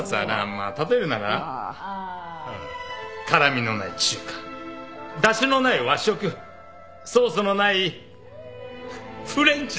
まあ例えるなら辛みのない中華だしのない和食ソースのないフレンチだ。